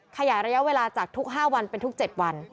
ขยายระยะเวลาจากทุก๕วันเป็นทุก๗วัน